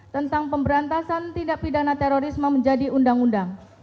tentang pemberantasan tindak pidana terorisme menjadi undang undang